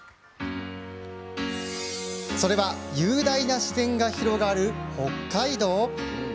それは雄大な自然が広がる北海道？